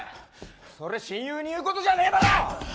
それ親友に言うことじゃねえだろ！